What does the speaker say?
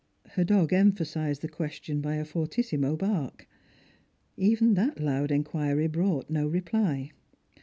Her dog emphasised the question by a fortissimo bark. Even that loud inquiry brought no reply.